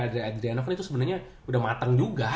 andre adriano kan itu sebenernya udah matang juga